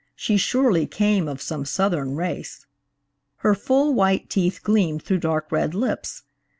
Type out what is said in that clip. She surely came of some Southern race! Her full white teeth gleamed through dark red lips.